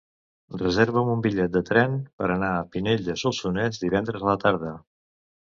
Reserva'm un bitllet de tren per anar a Pinell de Solsonès divendres a la tarda.